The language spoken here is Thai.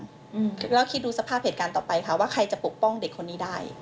แล้วคิดดูสภาพเหตุการณ์ต่อไปค่ะว่าใครจะปกป้องเด็กคนนี้ได้